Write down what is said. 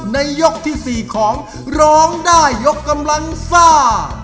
ในยกที่๔ของร้องได้ยกกำลังซ่า